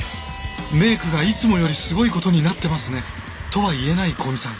「メイクがいつもよりすごいことになってますね」とは言えない古見さん。